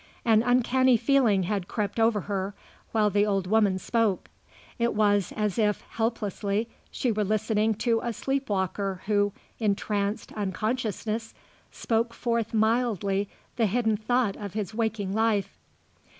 An uncanny feeling had crept over her while the old woman spoke. It was as if, helplessly, she were listening to a sleep walker who, in tranced unconsciousness, spoke forth mildly the hidden thought of his waking life.